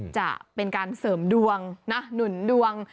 จะเป็นการเสริมดวงนะหนุนดวง